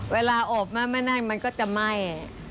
เวลาออกมาไม่นั่งมันก็จะไหม้